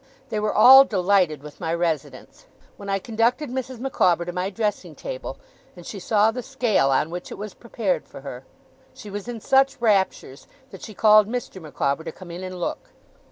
They were all delighted with my residence. When I conducted Mrs. Micawber to my dressing table, and she saw the scale on which it was prepared for her, she was in such raptures, that she called Mr. Micawber to come in and look.